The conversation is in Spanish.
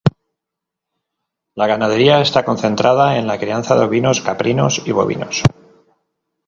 La ganadería está concentrada en la crianza de ovinos, caprinos y bovinos.